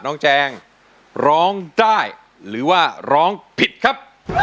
แจงร้องได้หรือว่าร้องผิดครับ